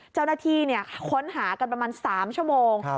เจ้าหน้าที่ค้นหากันประมาณ๓ชั่วโมง